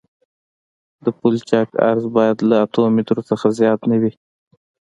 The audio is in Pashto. د پلچک عرض باید له اتو مترو څخه زیات نه وي